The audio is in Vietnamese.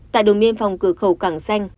tại đồn biên phòng cửa khẩu cảng xanh